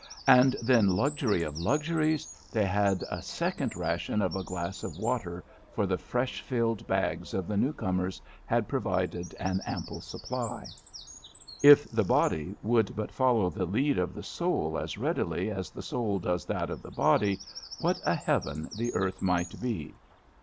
and then, luxury of luxuries, they had a second ration of a glass of water, for the fresh filled bags of the new comers had provided an ample supply. If the body would but follow the lead of the soul as readily as the soul does that of the body, what a heaven the earth might be!